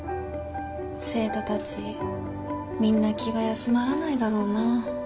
生徒たちみんな気が休まらないだろうな。